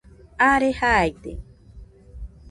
are jaide